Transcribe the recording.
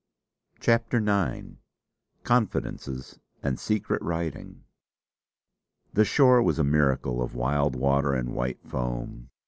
CHAPTER IX CONFIDENCES AND SECRET WRITING The shore was a miracle of wild water and white foam.